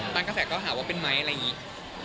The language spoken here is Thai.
ปันกระแสก็รู้ว่าเป็นไหมบมน้อง